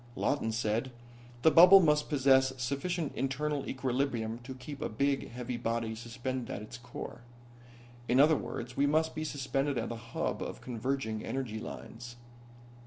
Lawton said: "The bubble must possess sufficient internal equilibrium to keep a big, heavy body suspended at its core. In other words, we must be suspended at the hub of converging energy lines."